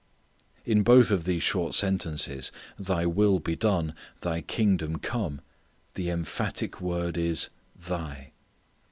In both of these short sentences, "Thy will be done," "Thy kingdom come," the emphatic word is "Thy."